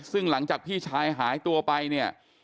ซึ่งหลังจากพี่ชายหายตัวไปเนี่ย